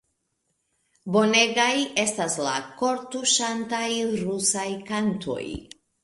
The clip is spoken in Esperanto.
Bonegaj estas la kortuŝantaj rusaj kantoj!